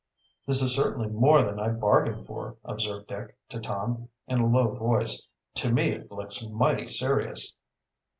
"This is certainly more than I bargained for," observed Dick to Tom, in a low voice. "To me it looks mighty serious."